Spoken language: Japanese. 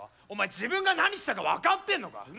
お前自分が何したか分かってんのか？